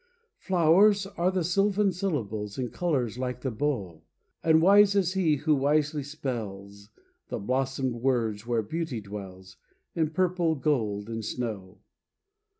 Flowers are the sylvan syllables, In colors like the bow, And wise is he who wisely spells The blossomed words where beauty dwells, In purple, gold and snow.